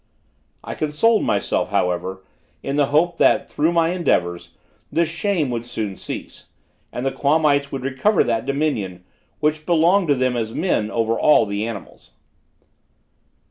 I consoled myself, however, in the hope that, through my endeavors, this shame would soon cease, and the Quamites would recover that dominion, which belonged to them as men over all other animals.